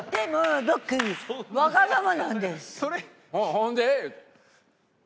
ほんで？